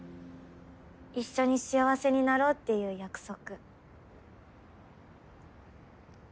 一緒に幸せになろうっていう約束。